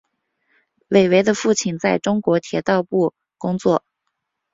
韦唯的父亲在中国铁道部工作。